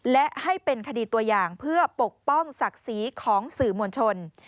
และให้เป็นคดีตัวอย่างเพื่อปกป้องศักดิ์ศรีของสื่อมวลชน